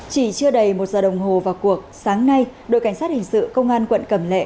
chỉ chưa đầy một giờ đồng hồ vào cuộc sáng nay đội cảnh sát hình sự công an quận cẩm lệ